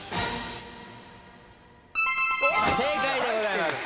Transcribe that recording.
正解でございます。